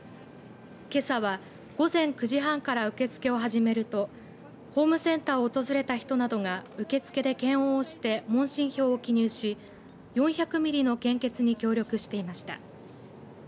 けさは、午前９時半から受け付けを始めるとホームセンターを訪れた人などが受付で検温をして問診票を記入し４００ミリの献血に協力していました。